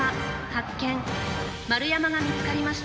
丸山が見つかりました。